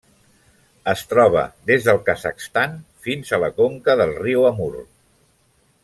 Es troba des del Kazakhstan fins a la conca del riu Amur.